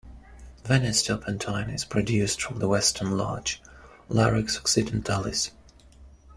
Venice turpentine is produced from the western larch "Larix occidentalis".